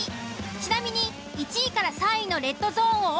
ちなみに１位３位のレッドゾ―ンをオ―